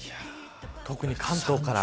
特に関東から。